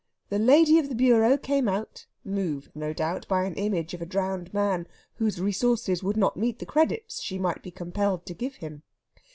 The Lady of the Bureau came out; moved, no doubt, by an image of a drowned man whose resources would not meet the credits she might be compelled to give him.